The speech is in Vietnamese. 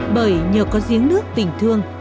bởi nhờ có giếng nước tình thương